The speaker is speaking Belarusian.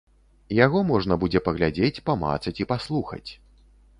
Яго можна будзе паглядзець, памацаць і паслухаць.